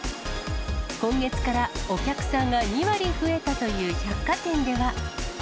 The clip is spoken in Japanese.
今月からお客さんが２割増えたという百貨店では。